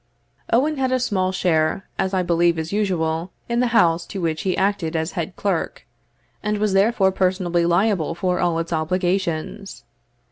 Owen had a small share, as I believe is usual, in the house to which he acted as head clerk, and was therefore personally liable for all its obligations.